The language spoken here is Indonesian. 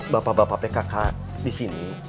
bapak bapak pkk disini